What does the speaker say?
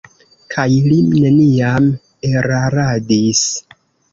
Kaj li neniam eraradis.